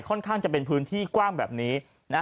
ข้างจะเป็นพื้นที่กว้างแบบนี้